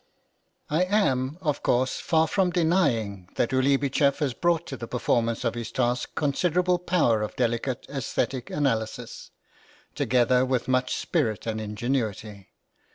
I am, of course, far from denying that Uübicheff has brought to the performance of his task considerable power of delicate aesthetic analysis, together with much spirit and ingenuity.